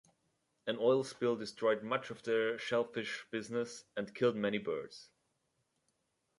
An oil spill destroyed much of the shellfish business and killed many birds.